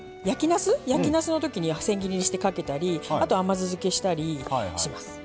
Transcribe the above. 焼きなすのときに千切りにしてかけたりあと甘酢漬けしたりします。